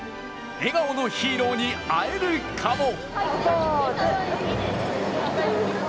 笑顔のヒーローに会えるかも？